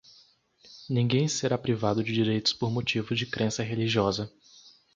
ninguém será privado de direitos por motivo de crença religiosa